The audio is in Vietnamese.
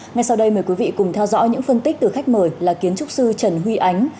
ngay sau đây mời quý vị cùng theo dõi những phân tích từ khách mời là kiến trúc sư trần huy ánh